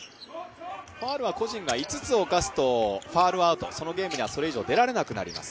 ファウルは個人が５つおかすと、ファウルアウト、そのゲームにはそれ以上出られなくなります。